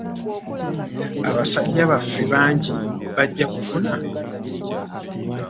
Abasajja baffe bangi bajja kufuna emirimu.